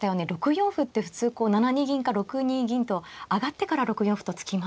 ６四歩って普通こう７二銀か６二銀と上がってから６四歩と突きますが。